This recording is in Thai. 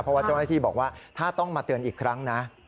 เพราะว่าเจ้าหน้าที่บอกว่าถ้าต้องมาเตือนอีกครั้งนะ